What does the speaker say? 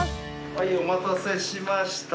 はい、お待たせしました。